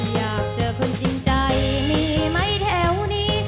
อยากเจอคนจริงใจมีไหมแถวนี้